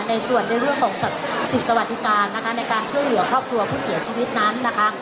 ในส่วนในเรื่องของสิทธิ์สวัสดิการนะคะในการช่วยเหลือครอบครัวผู้เสียชีวิตนั้นนะคะ